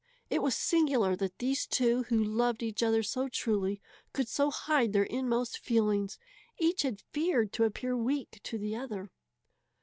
It was singular that these two, who loved each other so truly, could so hide their inmost feelings. Each had feared to appear weak to the other.